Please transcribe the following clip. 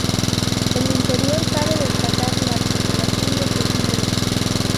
El interior, cabe destacar la articulación de sus muros.